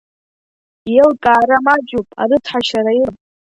Иеилкаара маҷуп, арыцҳашьара илам.